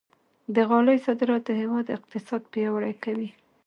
د غالۍ صادرات د هېواد اقتصاد پیاوړی کوي.